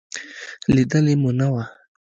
لېدلې مو نه وه.